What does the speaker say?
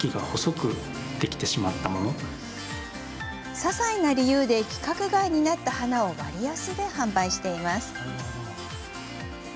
ささいな理由で規格外になった花を割安で販売しています。